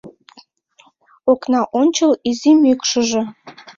Окна ончыл изи мӱкшыжӧ